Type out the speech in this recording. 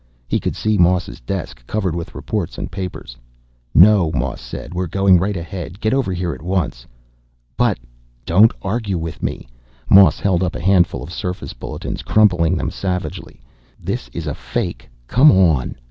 He could see Moss's desk, covered with reports and papers. "No," Moss said. "We're going right ahead. Get over here at once." "But " "Don't argue with me." Moss held up a handful of surface bulletins, crumpling them savagely. "This is a fake. Come on!"